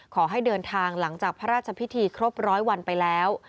ขอให้เดินทางหลังจากพระราชพิธีครบร้อยวันไปแล้ว